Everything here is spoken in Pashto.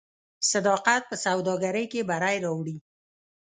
صداقت په سوداګرۍ کې بری راوړي.